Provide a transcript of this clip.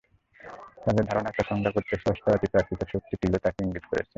তাঁর ধারণা, টসংগা গোত্রের স্রষ্টা অতিপ্রাকৃত শক্তি টিলো তাঁকে ইঙ্গিত করছেন।